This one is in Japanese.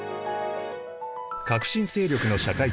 革新勢力の社会